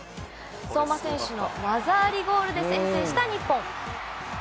相馬選手の技ありゴールで先制した日本。